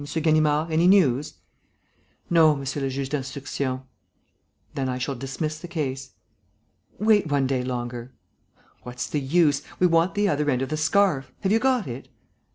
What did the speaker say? Ganimard, any news?" "No, monsieur le juge d'instruction." "Then I shall dismiss the case." "Wait one day longer." "What's the use? We want the other end of the scarf; have you got it?"